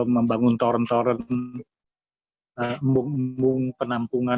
membangun toren toran embung embung penampungan